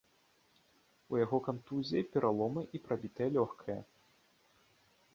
У яго кантузія, пераломы і прабітае лёгкае.